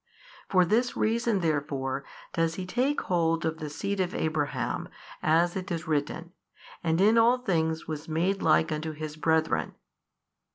For this reason therefore does He take hold of the seed of Abraham, as it is written, and in all things was made like unto His brethren.